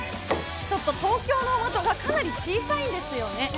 ちょっと東京の的がかなり小さいんですよね。